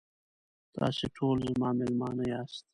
تاسې ټول زما میلمانه یاست.